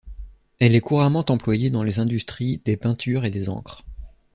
Elle est couramment employée dans les industries des peintures et des encres.